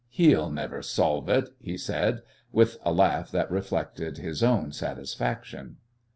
"He'll never solve it," he said, with a laugh that reflected his own satisfaction.